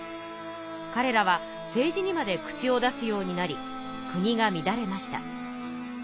かれらは政治にまで口を出すようになり国がみだれました。